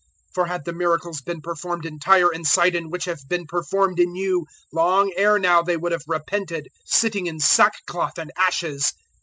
For had the miracles been performed in Tyre and Sidon which have been performed in you, long ere now they would have repented, sitting in sackcloth and ashes.